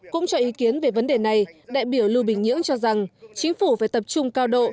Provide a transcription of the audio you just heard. cũng cho ý kiến về vấn đề này đại biểu lưu bình nhưỡng cho rằng chính phủ phải tập trung cao độ